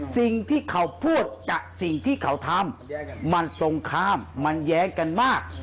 สิ่งที่เขาพูดจากสิ่งที่เขาทำมันตรงข้ามมันแย้งกันมาก